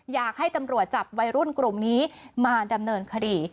อยากให้ตำรวจจับวัยรุ่นกลุ่มนี้มาดำเนินคดี